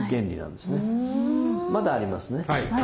まだありますね。